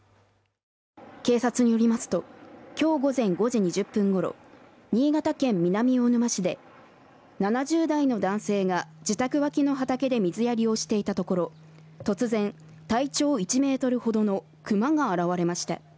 警察によりますと、今日午前５時２０分ごろ、新潟県南魚沼市で７０代の男性が自宅脇の畑で水やりをしていたところ突然、体長１ｍほどの熊が現れました。